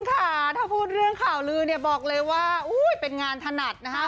ค่ะถ้าพูดเรื่องข่าวลือเนี่ยบอกเลยว่าอุ้ยเป็นงานถนัดนะฮะ